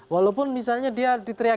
walaupun misalnya dia diteriakin